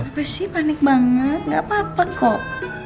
apa sih panik banget gak apa apa kok